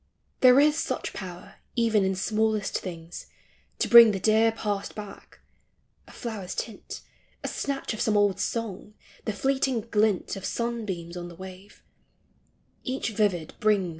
There is such power even in smallest things T*> bring the dear past back ; a flower's tint, A snatch of some old song, the fleeting glint Of sunbeams on the wave — each vivid brings MEMORY.